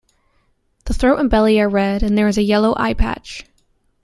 The throat and belly are red and there is a yellow eye patch.